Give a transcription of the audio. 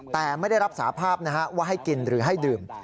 แต่ไม่ได้รับสาภาพว่าให้กินหรือให้ดื่ม